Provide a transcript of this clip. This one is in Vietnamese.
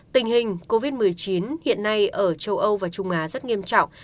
tình hình covid một mươi chín hiện nay ở châu âu và trung á rất nghiêm trọng